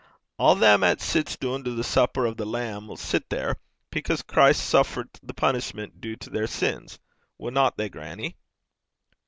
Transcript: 'A' them 'at sits doon to the supper o' the Lamb 'll sit there because Christ suffert the punishment due to their sins winna they, grannie?'